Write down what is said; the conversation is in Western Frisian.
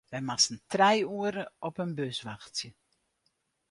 Wy moasten trije oeren op in bus wachtsje.